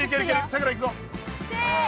さくらいくぞ！